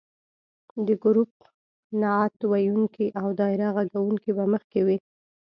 د ګروپ نعت ویونکي او دایره غږونکې به مخکې وي.